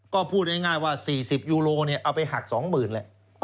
ก็พูดง่ายว่า๔๐ยูโรเอาไปหัก๒๐๐๐แหละ